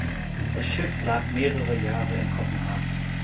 Das Schiff lag mehrere Jahre in Kopenhagen.